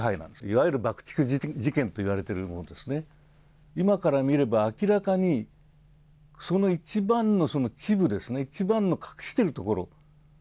いわゆる爆竹事件と言われているものですね、今から見れば明らかにその一番の恥部、一番の隠しているところ。